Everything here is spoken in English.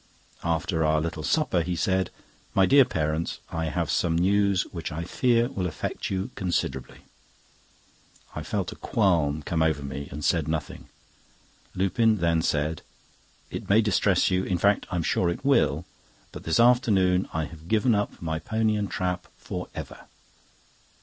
After our little supper, he said: "My dear parents, I have some news, which I fear will affect you considerably." I felt a qualm come over me, and said nothing. Lupin then said: "It may distress you—in fact, I'm sure it will—but this afternoon I have given up my pony and trap for ever."